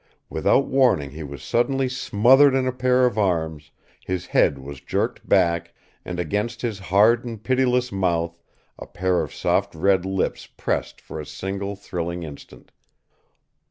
Without warning he was suddenly smothered in a pair of arms, his head was jerked back, and against his hard and pitiless mouth a pair of soft red lips pressed for a single thrilling instant.